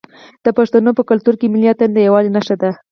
د پښتنو په کلتور کې ملي اتن د یووالي نښه ده.